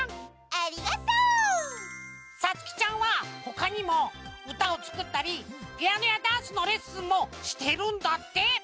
ありがとう！さつきちゃんはほかにもうたをつくったりピアノやダンスのレッスンもしてるんだって。